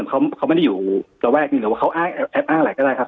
เพราะว่าโจรเขาไม่ได้อยู่ตระแวกหรือว่าเขาอ้างอะไรก็ได้ครับ